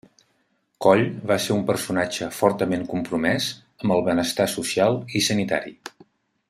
Coll va ser un personatge fortament compromès amb el benestar social i sanitari.